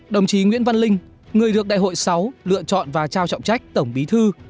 đồng chí nguyễn văn linh người được đại hội sáu lựa chọn và trao trọng trách tổng bí thư